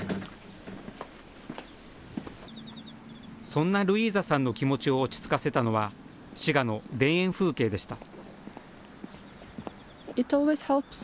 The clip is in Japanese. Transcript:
そんなルイーザさんの気持ちを落ち着かせたのは、滋賀の田園風景でした。